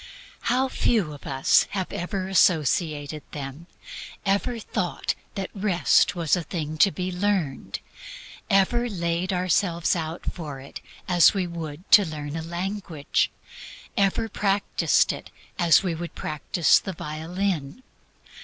How few of us have ever associated them ever thought that Rest was a thing to be learned; ever laid ourselves out for it as we would to learn a language; ever practised it as we would practice the violin?